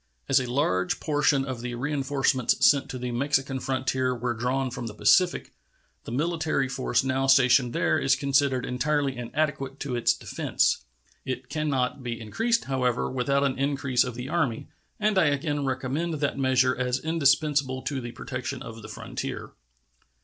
As a large portion of the reenforcements sent to the Mexican frontier were drawn from the Pacific, the military force now stationed there is considered entirely inadequate to its defense. It can not be increased, however, without an increase of the Army, and I again recommend that measure as indispensable to the protection of the frontier.